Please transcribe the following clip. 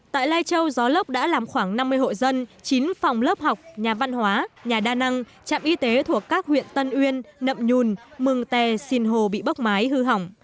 tại lai châu gió lốc đã làm khoảng năm mươi hộ dân chín phòng lớp học nhà văn hóa nhà đa năng trạm y tế thuộc các huyện tân uyên nậm nhùn mường tè sinh hồ bị bốc mái hư hỏng